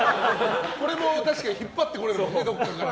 これも確かに引っ張ってこれるよね、どこかから。